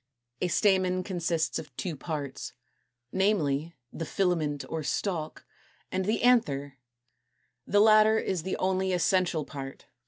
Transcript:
=A Stamen= consists of two parts, namely, the FILAMENT or stalk (Fig. 219 a), and the ANTHER (b). The latter is the only essential part.